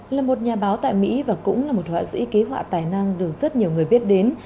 là một nhà báo tại mỹ và cũng là một họa sĩ ký họa tài năng được rất nhiều người biết đến